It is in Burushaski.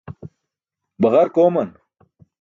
Baġark ooman.